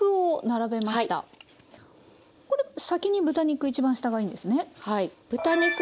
これ先に豚肉一番下がいいんですね。